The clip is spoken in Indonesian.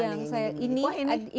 wah ini sangat penting ya mbak kiki